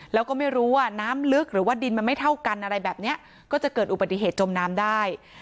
แล้วก็ไม่รู้ว่าน้ำลึกหรือว่าดินมันไม่เท่ากันอะไรแบบนี้ก็จะเกิดอุบัติเหตุจมน้ำได้